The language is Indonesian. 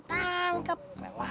bang sani kemana ya